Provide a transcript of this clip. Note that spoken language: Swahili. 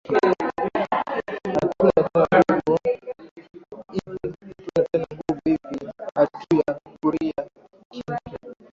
Atuna tena na nguvu ivi atuya kuria kintu